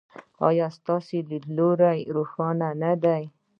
ایا ستاسو لید لوری روښانه نه دی؟